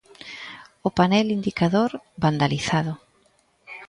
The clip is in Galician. O panel indicador, vandalizado.